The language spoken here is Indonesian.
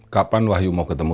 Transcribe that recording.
kapan wahyu mau ketemu